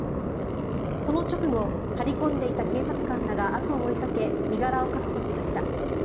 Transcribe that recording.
その直後張り込んでいた警察官らが後を追いかけ身柄を確保しました。